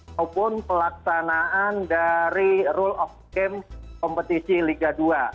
maupun pelaksanaan dari rule of game kompetisi liga dua